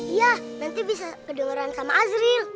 iya nanti bisa kedenwaran sama azril